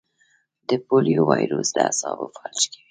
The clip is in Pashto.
د پولیو وایرس د اعصابو فلج کوي.